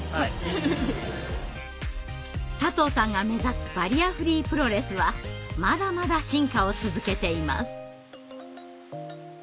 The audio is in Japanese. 佐藤さんが目指すバリアフリープロレスはまだまだ進化を続けています。